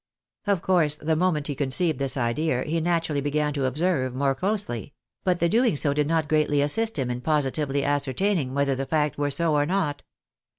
Of course, the moment he conceived this idea, he naturally began to observe more closely ; but the doing so did not greatly assist him in positively ascertaining whether the fact were so or not.